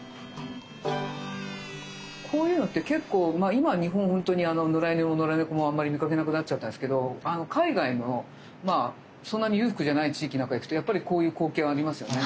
こういうのって結構今日本ほんとに野良犬も野良猫もあんまり見かけなくなっちゃったんですけど海外のそんなに裕福じゃない地域なんか行くとやっぱりこういう光景はありますよね。